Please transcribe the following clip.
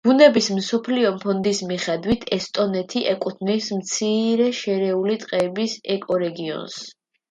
ბუნების მსოფლიო ფონდის მიხედვით ესტონეთი ეკუთვნის მცირე შერეული ტყეების ეკორეგიონს.